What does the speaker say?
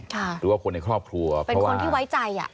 ค่ะหรือว่าคนในครอบครัวเพราะว่าเป็นคนที่ไว้ใจอ่ะ